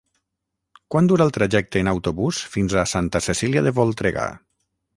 Quant dura el trajecte en autobús fins a Santa Cecília de Voltregà?